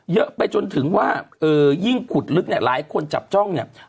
เยอะไปจนถึงว่ายิ่งขุดลึกเนี่ยหลายคนจับจ้องเนี่ย